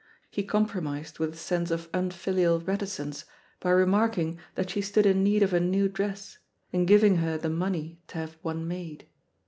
He compromised with a sense of unfilial reticence by remarking that she stood in need of a new dress and giving her the money to have one made.